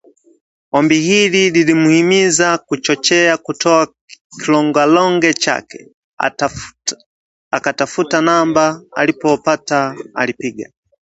Ombi hili lilimhimiza Kuchochea kutoa kilongalonga chake, akatafuta namba, alipoipata alipiga